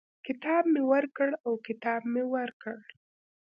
کتاب مي ورکړ او کتاب مې ورکړ.